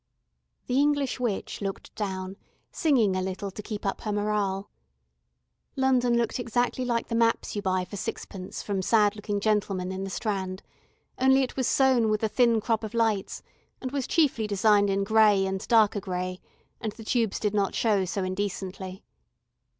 The English witch looked down, singing a little to keep up her morale. London looked exactly like the maps you buy for sixpence from sad looking gentlemen in the Strand, only it was sown with a thin crop of lights, and was chiefly designed in grey and darker grey, and the Tubes did not show so indecently.